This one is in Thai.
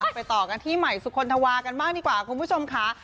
ไปต่อกันที่ใหม่สุคลธวากันบ้างดีกว่าคุณผู้ชมค่ะ